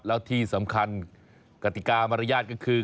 แล้วที่สำคัญกติกามารยาทก็คือ